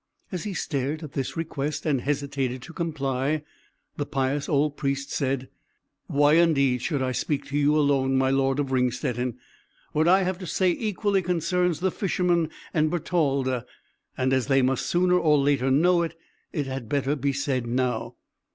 As he stared at this request, and hesitated to comply, the pious old Priest said, "Why, indeed, should I speak to you alone, my Lord of Ringstetten? What I have to say equally concerns the Fisherman and Bertalda; and as they must sooner or later know it, it had better be said now.